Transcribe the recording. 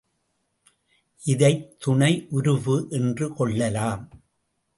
இதைத் துணை உருபு என்றும் கொள்ளலாம்.